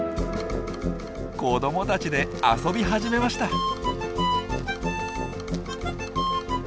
子どもたちで遊び始めました。